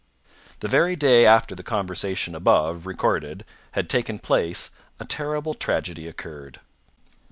The very day after the conversation above recorded had taken place a terrible tragedy occurred.